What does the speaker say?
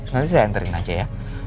nanti saya enterin aja ya